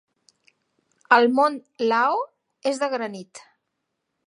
El mont Lao és de granit.